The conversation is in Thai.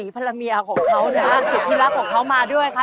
พิจิตรสวัสดี